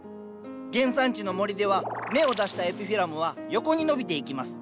原産地の森では芽を出したエピフィラムは横に伸びていきます。